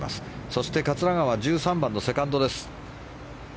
そして桂川１３番のセカンドです。